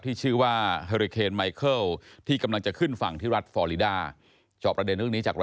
ที่ชื่อว่าฮอริเคนบริกเบอร์